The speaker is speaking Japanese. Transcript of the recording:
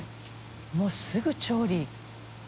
もうすぐ調理。